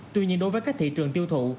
tuy nhiên đối với các thị trường tiêu thụ